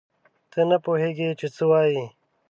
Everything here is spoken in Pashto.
ته نه پوهېږې چې څه وایې.